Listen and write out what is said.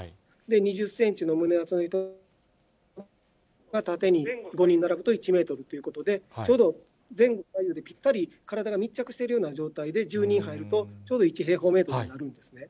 ２０センチの胸厚の人が縦に５人並ぶと１メートルということで、ちょうど前後左右でぴったり体が密着しているような状態で１０人入ると、ちょうど１平方メートルになるんですね。